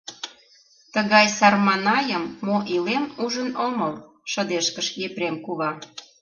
— Тыгай сарманайым, мо илем, ужын омыл! — шыдешкыш Епрем кува.